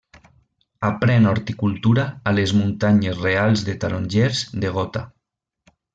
Aprèn horticultura a les Muntanyes Reals de Tarongers de Gotha.